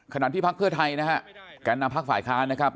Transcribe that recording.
ขนาดที่ภาคเพื่อไทยนะฮะแก่นาภาคฝ่ายค้านะครับ